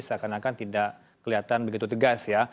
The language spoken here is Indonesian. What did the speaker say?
seakan akan tidak kelihatan begitu tegas ya